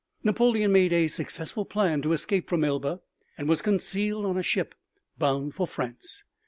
Napoleon made a successful plan to escape from Elba and was concealed on a ship bound for France.